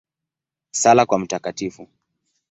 Sala kwa Mt.